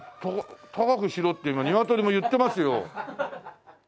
高くしろって今ニワトリも言ってますよ。